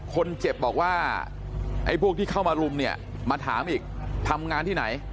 คนเจ็บบอกว่าไอ้พวกที่เข้ามารุมเนี่ยมาถามอีกทำงานที่ไหน